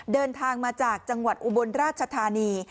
เดินทางมาจากจังหวัดอุบลราชธานี